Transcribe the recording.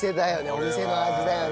お店の味だよね。